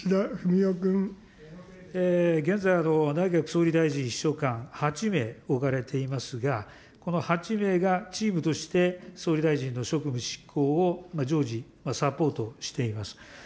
現在、内閣総理大臣秘書官、８名置かれていますが、この８名がチームとして、総理大臣の職務執行を常時サポートしています。